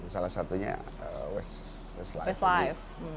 salah satunya westlife